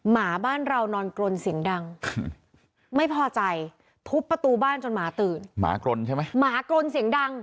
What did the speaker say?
นี่ล่าสุดเอาก้นหินป่าหลังคาบ้านจนหลังคาแตกลองดูค่ะ